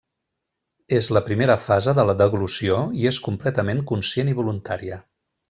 És la primera fase de la deglució i és completament conscient i voluntària.